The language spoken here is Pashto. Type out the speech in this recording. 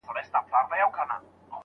هېري څرنگه د میني ورځی شپې سي